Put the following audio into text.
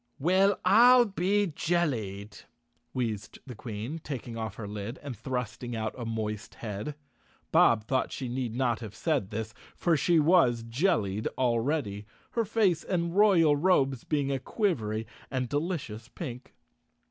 "Well, I'll be jellied!" wheezed the Queen, taking off her lid and thrusting out a moist head. Bob thought she need not have said this, for she was jellied already—her face and royal robes being a quivery and delicious pink.